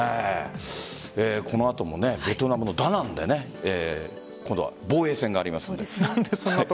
この後もベトナムのダナンで防衛戦がありますので。